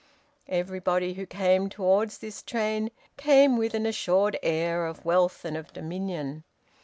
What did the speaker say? Everybody who came towards this train came with an assured air of wealth and of dominion.